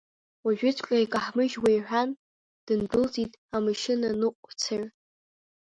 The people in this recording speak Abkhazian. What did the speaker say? Уажәыҵәҟьа икаҳмыжьуеи, — иҳәан, дындәылҵит амашьынаныҟәцаҩ.